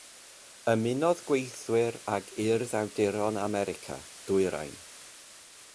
Ymunodd gweithwyr ag Urdd Awduron America, Dwyrain.